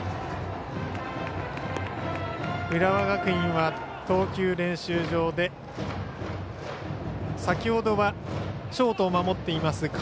浦和学院は投球練習場で先ほどはショートを守っています